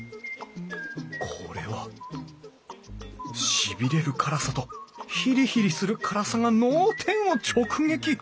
これはしびれる辛さとヒリヒリする辛さが脳天を直撃！